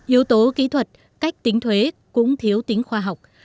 yếu tố kỹ thuật cách tính thuế cũng thiếu tính khoa học